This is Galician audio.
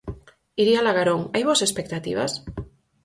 Iria Lagarón, hai boas expectativas?